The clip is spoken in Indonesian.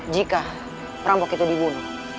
jika perampok itu dibunuh